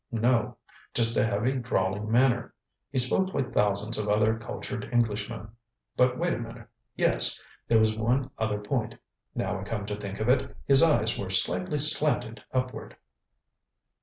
ŌĆØ ŌĆ£No. Just a heavy, drawling manner. He spoke like thousands of other cultured Englishmen. But wait a minute yes! There was one other point. Now I come to think of it, his eyes very slightly slanted upward.